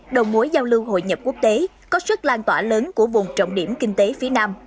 đồng mối giao lưu hội nhập quốc tế có sức lan tỏa lớn của vùng trọng điểm kinh tế phía nam